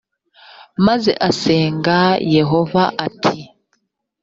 maze asenga yehova ati